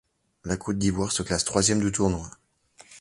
La Côte d'Ivoire se classe troisième du tournoi.